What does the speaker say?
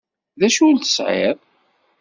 D acu ur tesεiḍ?